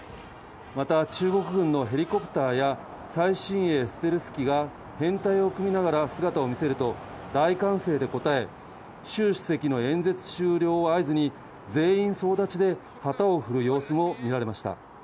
また、中国軍のヘリコプターや、最新鋭ステルス機が、編隊を組みながら、姿を見せると、大歓声で応え、習主席の演説終了を合図に、全員総立ちで旗を振る様子も見られました。